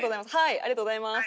ありがとうございます。